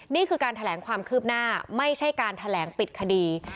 นี่คือการแถลงความคืบหน้าไม่ใช่การแถลงปิดคดี